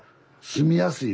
住みやすい。